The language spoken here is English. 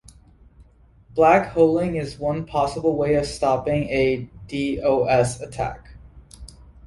Black holing is one possible way of stopping a DoS attack.